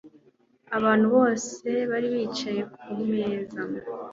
Abantu bose bari bicaye kumeza